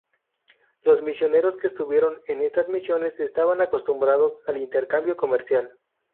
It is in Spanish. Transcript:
Los misioneros que estuvieron en estas misiones estaban acostumbrados al intercambio comercial.